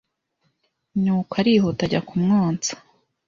ni uko arihuta ajya kumwonsa.